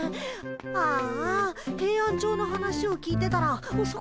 ああヘイアンチョウの話を聞いてたらおそくなっちゃった。